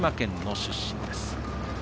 福島県出身です。